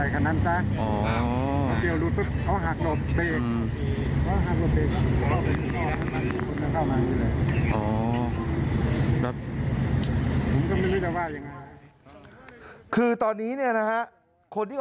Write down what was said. คนที่โอเคนะครับ